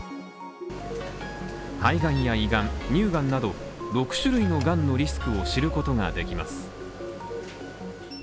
肺がんや胃がん乳がんなど６種類のがんのリスクを知ることができます。